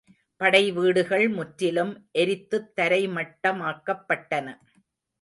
படைவீடுகள் முற்றிலும் எரித்துத் தரைமட்டமாக்கப்பட்டன.